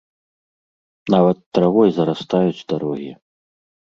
Нават травой зарастаюць дарогі.